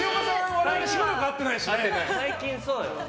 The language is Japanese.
我々、しばらく会ってないし。